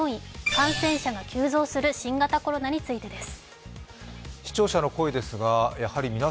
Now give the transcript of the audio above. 感染者が急増する新型コロナについてです。